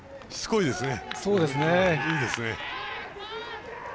いいですね。